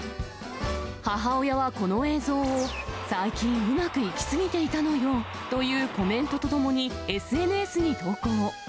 母親はこの映像を、最近、うまくいきすぎていたのよというコメントとともに、ＳＮＳに投稿。